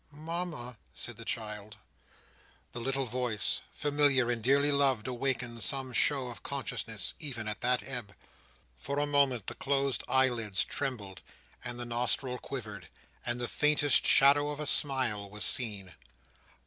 "Mama!" said the child. The little voice, familiar and dearly loved, awakened some show of consciousness, even at that ebb. For a moment, the closed eye lids trembled, and the nostril quivered, and the faintest shadow of a smile was seen.